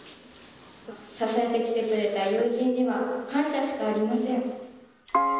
支えてきてくれた友人には、感謝しかありません。